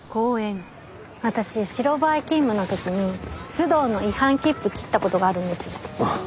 私白バイ勤務の時に須藤の違反切符切った事があるんですよ。